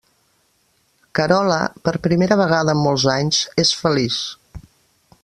Carola, per primera vegada en molts anys, és feliç.